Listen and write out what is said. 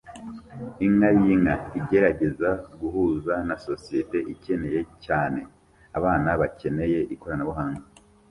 Inka yinka igerageza guhuza na societe ikeneye cyane abana bakeneye ikoranabuhanga